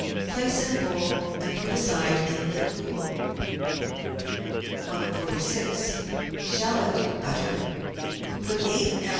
Place in a bowl and put aside in the cool. 146— SHALLOT BUTTER Put eight oz.